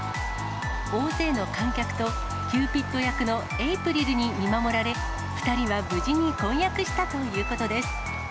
大勢の観客と、キューピッド役のエイプリルに見守られ、２人は無事に婚約したということです。